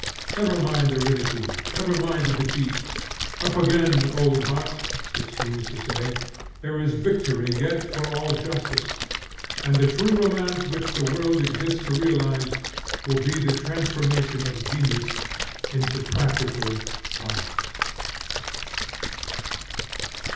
Never mind the ridicule, never mind the defeat; up again, old heart! it seems to say, there is victory yet for all justice; and the true romance which the world exists to realize will be the transformation of genius into practical power.